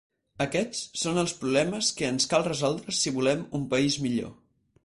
Aquests són els problemes que ens cal resoldre si volem un país millor.